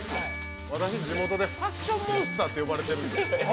私地元でファッションモンスターって呼ばれているんですよ。